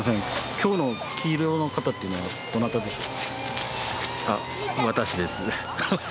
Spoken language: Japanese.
今日の黄色の方っていうのはどなたでしょう？